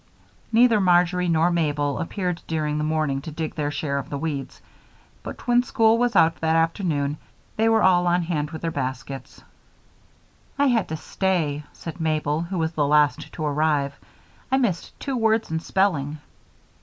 Neither Marjory nor Mabel appeared during the morning to dig their share of the weeds, but when school was out that afternoon they were all on hand with their baskets. "I had to stay," said Mabel, who was the last to arrive. "I missed two words in spelling."